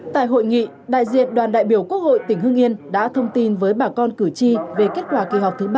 tại hội nghị đại diện đoàn đại biểu quốc hội tỉnh hưng yên đã thông tin với bà con cử tri về kết quả kỳ họp thứ ba